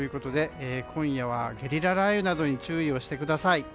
今夜はゲリラ雷雨などに注意をしてください。